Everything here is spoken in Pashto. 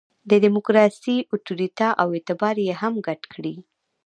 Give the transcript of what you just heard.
د ډیموکراسي اُتوریته او اعتبار یې هم ګډ کړي.